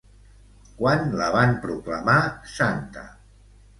Quan la van proclamar santa?